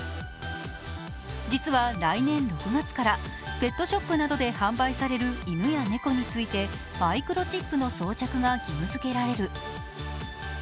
実は来年６月からペットショップなどで販売される犬や猫についてマイクロチップの装着が義務づけられる。